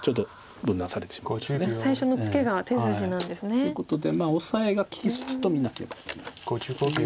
最初のツケが手筋なんですね。ということでオサエが利き筋と見なければいけないんです。